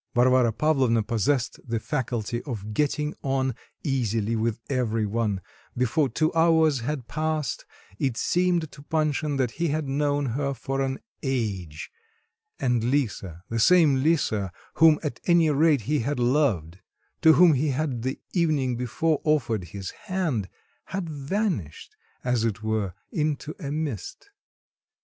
Varvara Pavlovna possessed the faculty of getting on easily with every one; before two hours had passed it seemed to Panshin that he had known her for an age, and Lisa, the same Lisa whom, at any rate, he had loved, to whom he had the evening before offered his hand, had vanished as it were into a mist.